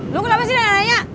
lo kenapa sih nanya nanya